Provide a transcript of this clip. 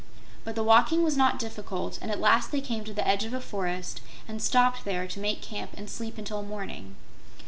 But the walking was not difficult and at last they came to the edge of a forest and stopped there to make camp and sleep until morning.